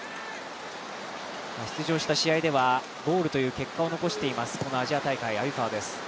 出場した試合ではゴールという結果を残しています、アジア大会の鮎川です。